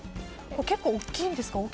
結構大きいんですか？